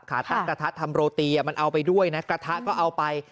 ตั้งกระทะทำโรตีมันเอาไปด้วยนะกระทะก็เอาไป